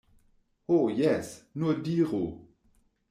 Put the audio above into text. Ho jes, nur diru!